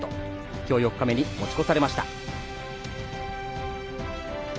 今日４日目に持ち越されました。